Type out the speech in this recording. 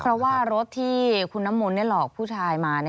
เพราะว่ารถที่คุณน้ำมนต์หลอกผู้ชายมา